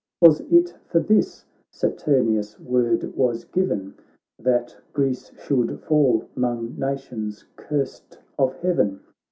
Was it for this Saturnius' word was given That Greece should fall 'mong nations curst of heaven